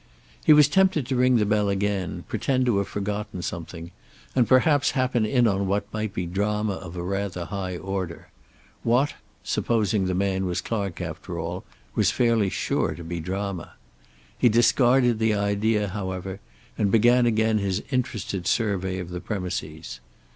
He was tempted to ring the bell again, pretend to have forgotten something, and perhaps happen in on what might be drama of a rather high order; what, supposing the man was Clark after all, was fairly sure to be drama. He discarded the idea, however, and began again his interested survey of the premises.